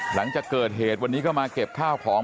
หลังจากเกิดเหตุวันนี้ก็มาเก็บข้าวของ